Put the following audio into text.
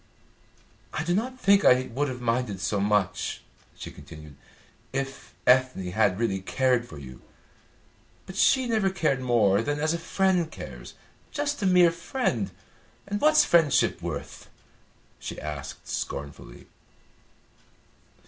"I do not think I would have minded so much," she continued, "if Ethne had really cared for you; but she never cared more than as a friend cares, just a mere friend. And what's friendship worth?" she asked scornfully.